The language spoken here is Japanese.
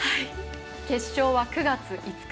決勝は９月５日。